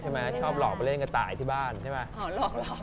ชอบหลอกไปเล่นกระต่ายที่บ้านใช่ไหม